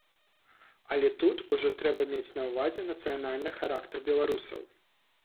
Але тут ужо трэба мець на ўвазе нацыянальны характар беларусаў.